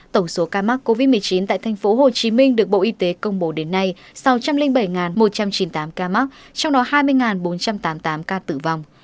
tổng số ca mắc covid một mươi chín tại tp hcm được bộ y tế công bố đến nay sáu trăm linh bảy một trăm chín mươi tám ca mắc trong đó hai mươi bốn trăm tám mươi tám ca tử vong